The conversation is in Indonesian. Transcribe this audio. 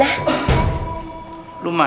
dan ke mudah